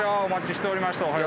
お待ちしておりました。